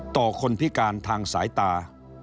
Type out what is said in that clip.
ต่อคนพิการทางสายตา